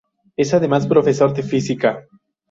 Es además profesor de física.